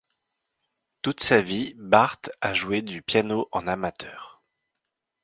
Toute sa vie, Barthes a joué du piano en amateur.